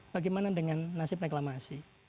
bagaimana dengan nasib reklamasi